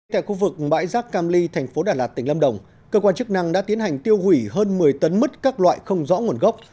tại khu vực bãi rác cam ly thành phố đà lạt tỉnh lâm đồng cơ quan chức năng đã tiến hành tiêu hủy hơn một mươi tấn mứt các loại không rõ nguồn gốc